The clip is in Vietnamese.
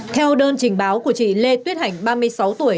theo đơn trình báo của chị lê tuyết hành ba mươi sáu tuổi